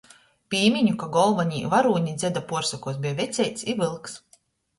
Pīmiņu, ka golvonī varūni dzeda puorsokuos beja Veceits i Vylks.